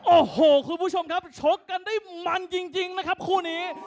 โอ้โหคุณผู้ชมครับชกกันได้มันจริงนะครับคู่นี้